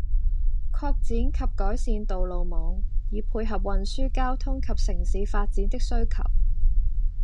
擴展及改善道路網，以配合運輸交通及城市發展的需求